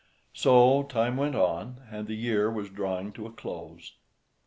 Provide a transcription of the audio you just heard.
So time went on, and the year was drawing to a close.